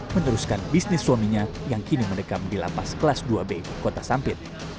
meneruskan bisnis suaminya yang kini mendekam di lapas kelas dua b kota sampit